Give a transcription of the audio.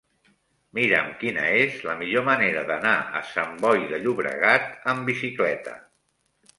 Mira'm quina és la millor manera d'anar a Sant Boi de Llobregat amb bicicleta.